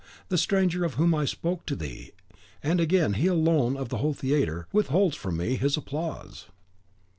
the stranger of whom I spoke to thee! and again, he alone, of the whole theatre, withholds from me his applause."